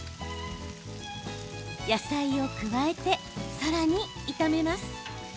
野菜を加えて、さらに炒めます。